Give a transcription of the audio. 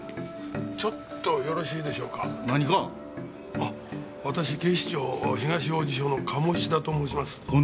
あっ私警視庁東王子署の鴨志田と申します。